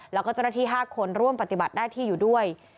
แล้วก็เจ้าหน้าที่๕คนร่วมปฏิบัติหน้าที่อยู่ด้วย